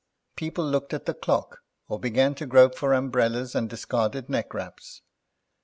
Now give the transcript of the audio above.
People looked at the clock or began to grope for umbrellas and discarded neckwraps.